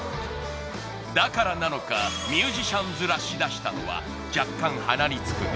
だからなのか、ミュージシャン面しだしたのは若干鼻につくが